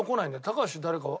高橋誰か？